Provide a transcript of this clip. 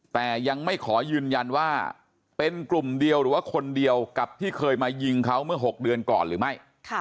แต่ยังไม่ขอยืนยันว่าเป็นกลุ่มเดียวหรือว่าคนเดียวกับที่เคยมายิงเขาเมื่อ๖เดือนก่อนหรือไม่